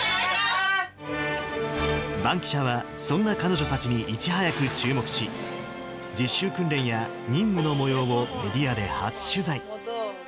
バンキシャは、そんな彼女たちにいち早く注目し、実習訓練や任務のもようをメディアで初取材。